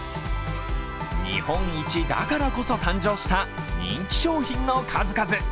日本一だからこそ誕生した人気商品の数々。